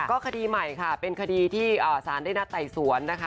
ก็คดีใหม่ค่ะเป็นคดีที่สารได้นัดไต่สวนนะคะ